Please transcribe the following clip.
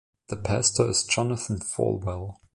The pastor is Jonathan Falwell.